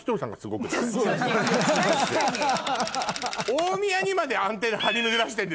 大宮にまでアンテナ張り巡らしてんでしょ？